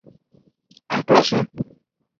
একলা সে?